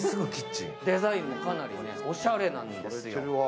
デザインもかなりおしゃれなんですよ。